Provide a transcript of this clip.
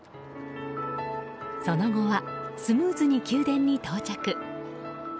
その後は、スムーズに宮殿に到着。